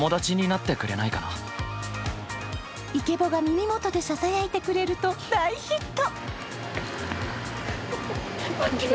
イケボが耳元でささやいてくれると大ヒット。